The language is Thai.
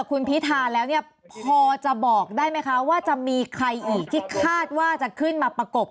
คือถ้าถามว่าพอจะมองออกไหมในวันนี้ว่าใครจะขึ้นมาประกบ